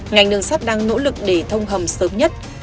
ngành đường sắt đang nỗ lực để thông hầm sớm nhất